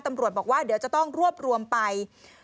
ตำรวจบอกว่าเดี๋ยวจะต้องรวบรวมไป